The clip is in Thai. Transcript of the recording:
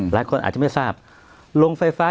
หลายคนอาจจะไม่ทราบโรงไฟฟ้า